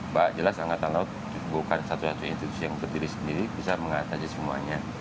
mbak jelas angkatan laut bukan satu satunya institusi yang berdiri sendiri bisa mengatasi semuanya